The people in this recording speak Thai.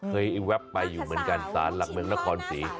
เคยแวะไปอยู่เหมือนกันหน้าสานหลักเมืองนครศรี